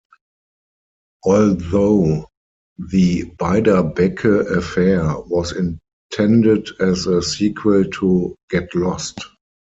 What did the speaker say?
Although "The Beiderbecke Affair" was intended as a sequel to "Get Lost!